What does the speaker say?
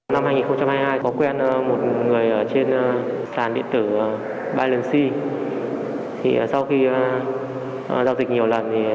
năm hai nghìn hai mươi hai có quen một người ở trên sàn điện tử bailensi sau khi giao dịch nhiều lần